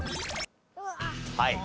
はい。